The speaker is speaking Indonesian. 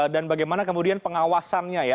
dan bagaimana kemudian pengawasannya ya